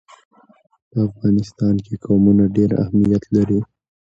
په افغانستان کې قومونه ډېر اهمیت لري.